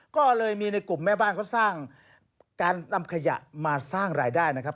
ก็เลยมีในกลุ่มแม่บ้านเขาสร้างการนำขยะมาสร้างรายได้นะครับ